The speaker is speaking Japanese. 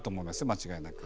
間違いなく。